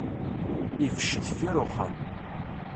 Ibec deffir uxxam.